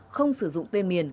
không sử dụng tên miền